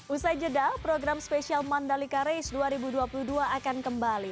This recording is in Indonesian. usai jeda program spesial mandalika race dua ribu dua puluh dua akan kembali